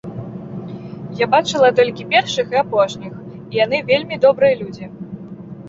Я бачыла толькі першых і апошніх, і яны вельмі добрыя людзі.